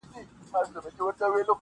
سپی مي دغه هدیره کي ښخومه,